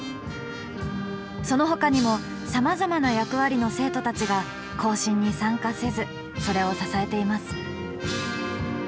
そのほかにもさまざまな役割の生徒たちが行進に参加せずそれを支えています。